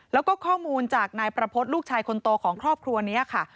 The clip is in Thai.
แล้วก็ข้อมูลจากนายประพฤติลูกชายคนโตของครอบครัวนี้ค่ะ